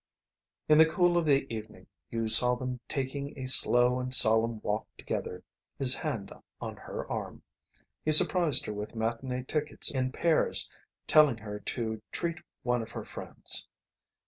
In the cool of the evening you saw them taking a slow and solemn walk together, his hand on her arm. He surprised her with matinée tickets in pairs, telling her to treat one of her friends.